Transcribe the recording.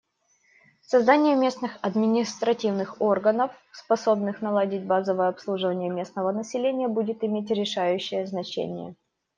Создание местных административных органов, способных наладить базовое обслуживание местного населения, будет иметь решающее значение.